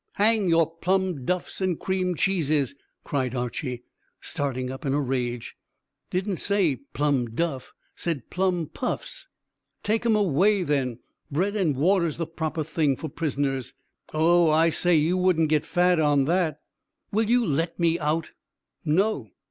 "Hang your plum duffs and cream cheeses!" cried Archy, starting up in a rage. "Didn't say plum duff; said plum puffs." "Take 'em away then. Bread and water's the proper thing for prisoners." "Oh, I say, you wouldn't get fat on that." "Will you let me out?" "No."